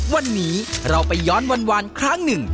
วันนี้เราไปย้อนวันครั้งหนึ่ง